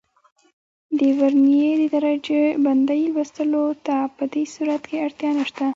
د ورنیې د درجه بندۍ لوستلو ته په دې صورت کې اړتیا نه شته.